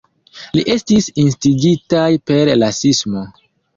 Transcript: Ili estis instigitaj per rasismo.